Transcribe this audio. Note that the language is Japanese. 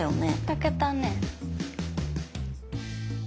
開けたね。